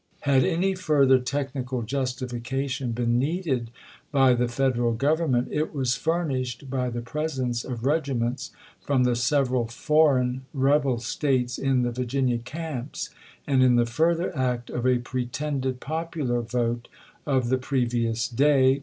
Had any further technical justification been needed by the Federal Grovern ment it was furnished by the presence of regi ments from the several "foreign" rebel States in the Virginia camps, and in the further act of a pretended popular vote of the previous day.